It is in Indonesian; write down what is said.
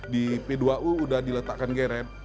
di p dua u udah diletakkan garret